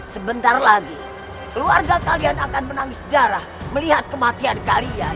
sebentar lagi keluarga kalian akan menangis darah melihat kematian kalian